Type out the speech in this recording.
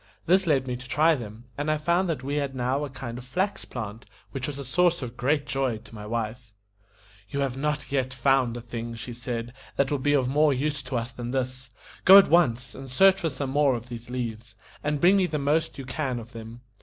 This led me to try them, and I found that we had now a kind of flax plant, which was a source of great joy to my wife. "You have not yet found a thing," she said, "that will be of more use to us than this. Go at once and search for some more of these leaves, and bring me the most you can of them.